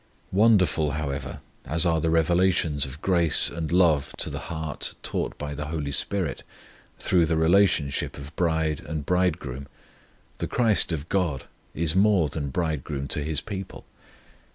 Wonderful, however, as are the revelations of grace and love to the heart taught by the HOLY SPIRIT through the relationship of bride and Bridegroom, the CHRIST of GOD is more than Bridegroom to His people.